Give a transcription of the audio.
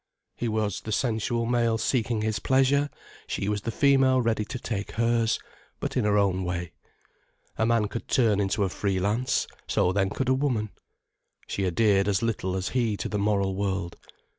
He was the sensual male seeking his pleasure, she was the female ready to take hers: but in her own way. A man could turn into a free lance: so then could a woman. She adhered as little as he to the moral world.